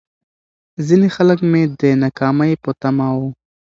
ځيني خلک مې د ناکامۍ په تمه وو.